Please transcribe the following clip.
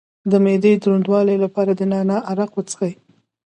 د معدې د دروندوالي لپاره د نعناع عرق وڅښئ